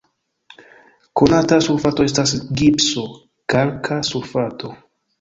Konata sulfato estas gipso, kalka sulfato.